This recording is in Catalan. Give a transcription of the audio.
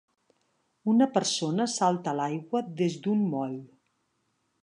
Una persona salta a l'aigua des d'un moll.